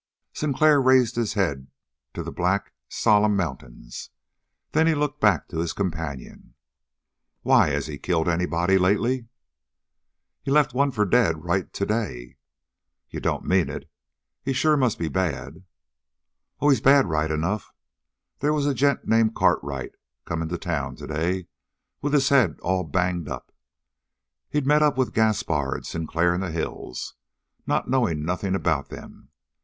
Sinclair raised his head to the black, solemn mountains. Then he looked back to his companion. "Why, has he killed anybody lately?" "He left one for dead right today!" "You don't mean it! He sure must be bad." "Oh, he's bad, right enough. They was a gent named Cartwright come into town today with his head all banged up. He'd met up with Gaspar and Sinclair in the hills, not knowing nothing about them.